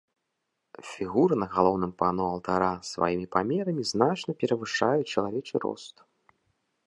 Фігуры на галоўным пано алтара сваімі памерамі значна перавышаюць чалавечы рост.